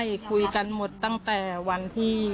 ใช่คุยกันหมดตั้งแต่วันที่